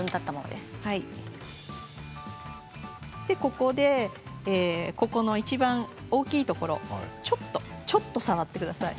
ではここでいちばん大きいところちょっと、ちょっと触ってください。